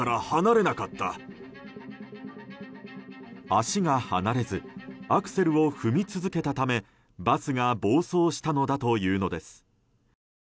足が離れずアクセルを踏み続けたためバスが暴走したのだというのです。